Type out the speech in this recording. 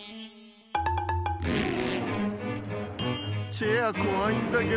チェアこわいんだけど。